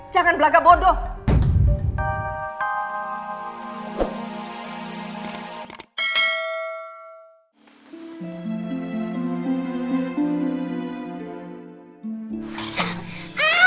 jangan berlagak bodoh